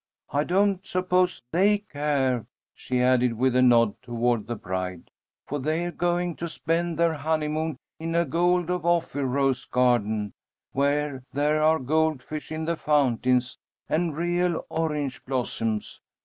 I don't suppose they care," she added, with a nod toward the bride, "for they're going to spend their honeymoon in a Gold of Ophir rose garden, where there are goldfish in the fountains, and real orange blossoms.